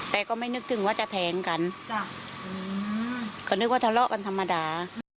แต่ก็ไม่นึกถึงว่าจะแทงกันก็นึกว่าทะเลาะกันธรรมดา